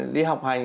đi học hành